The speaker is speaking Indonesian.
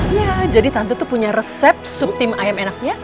iya jadi tante tuh punya resep subtin ayam enaknya